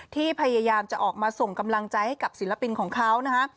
พยายามจะออกมาส่งกำลังใจให้กับศิลปินของเขานะฮะ